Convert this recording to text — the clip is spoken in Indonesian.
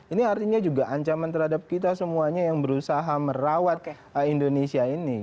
ini artinya juga ancaman terhadap kita semuanya yang berusaha merawat indonesia ini